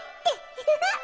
フフフッ！